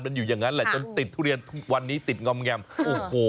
มันอยู่อย่างนั้นแหละจนติดทุเรียนทุกวันนี้ติดงอมแงมโอ้โห